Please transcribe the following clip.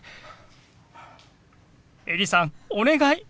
エリさんお願い！